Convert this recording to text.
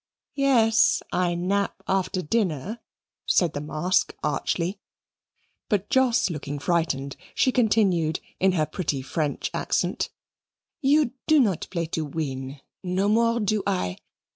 "Yes; ay nap after dinner," said the mask archly. But Jos looking frightened, she continued, in her pretty French accent, "You do not play to win. No more do I.